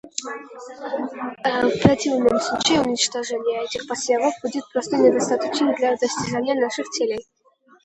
В противном случае уничтожения этих посевов будет просто недостаточным для достижения наших целей.